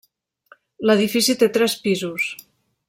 L'edifici té tres pisos.